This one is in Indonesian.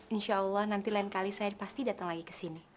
insya allah nanti lain kali saya pasti datang lagi ke sini